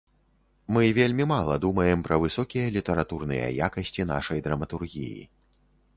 Мы вельмі мала думаем пра высокія літаратурныя якасці нашай драматургіі.